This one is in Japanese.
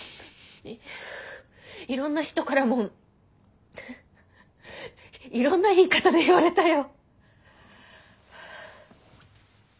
いろんな人からもいろんな言い方で言われたよ。